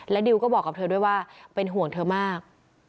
ดิวก็บอกกับเธอด้วยว่าเป็นห่วงเธอมาก